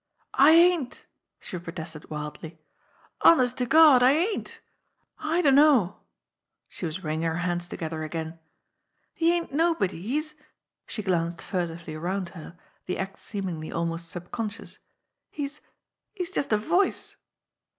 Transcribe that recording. "I ain't!" she protested wildly. "Honest to Gawd, I ain't! I dunno!" She was wringing her hands together again. "He ain't nobody, he's" she glanced furtively around her, the act seemingly almost subconscious "he's he's just a voice."